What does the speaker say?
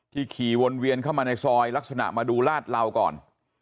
ขี่วนเวียนเข้ามาในซอยลักษณะมาดูลาดเหลาก่อน